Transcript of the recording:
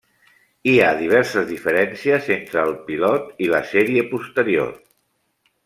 Hi ha diverses diferències entre el pilot i la sèrie posterior.